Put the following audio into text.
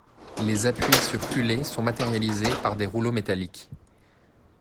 Les appuis sur culée sont matérialisés par des rouleaux métalliques.